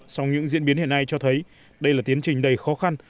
song những diễn biến hiện nay cho thấy đây là tiến trình đầy khó khăn